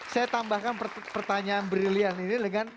saya tambahkan pertanyaan brilian ini dengan